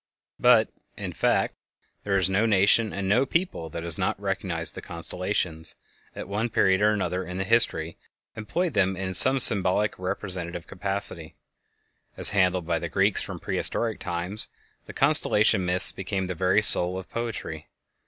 But, in fact, there is no nation and no people that has not recognized the constellations, and at one period or another in its history employed them in some symbolic or representative capacity. As handled by the Greeks from prehistoric times, the constellation myths became the very soul of poetry.